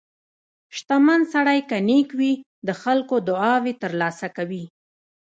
• شتمن سړی که نیک وي، د خلکو دعاوې ترلاسه کوي.